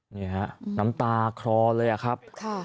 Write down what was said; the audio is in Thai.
นี่ฮะน้ำตาคลอเลยอะครับ